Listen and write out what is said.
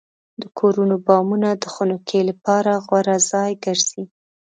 د کورونو بامونه د خنکۍ لپاره غوره ځای ګرځي.